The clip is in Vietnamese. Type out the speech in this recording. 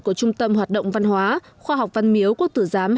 của trung tâm hoạt động văn hóa khoa học văn miếu quốc tử giám hai nghìn một mươi tám